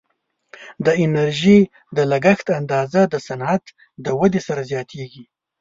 د انرژي د لګښت اندازه د صنعت د ودې سره زیاتیږي.